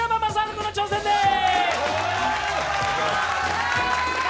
君の挑戦です。